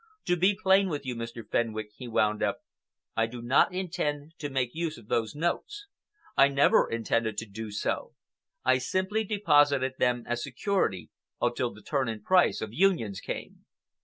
To be plain with you, Mr. Fenwick," he wound up, "I do not intend to make use of those notes, I never intended to do so. I simply deposited them as security until the turn in price of 'Unions' came.